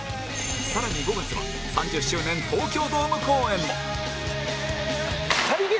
更に５月は３０周年東京ドーム公演も